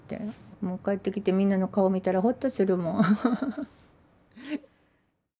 もう帰ってきてみんなの顔見たらほっとするもん。